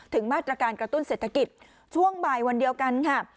มาตรการกระตุ้นเศรษฐกิจช่วงบ่ายวันเดียวกันค่ะ